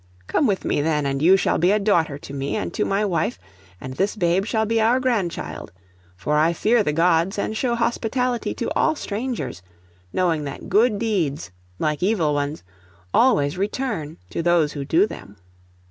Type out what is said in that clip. Come with me then, and you shall be a daughter to me and to my wife, and this babe shall be our grandchild. For I fear the Gods, and show hospitality to all strangers; knowing that good deeds, like evil ones, always return to those who do them.